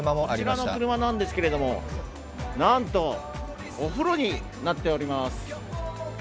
こちらの車なんですけれどもなんとお風呂になっております。